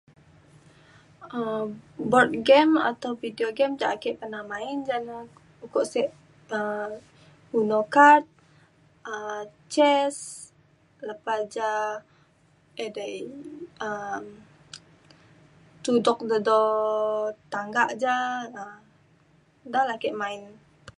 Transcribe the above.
um board game atau video game ja ake pernah main ja na ukok se um uno card um chess lepa ja edei um tudok de do tangga ja um da la ake main.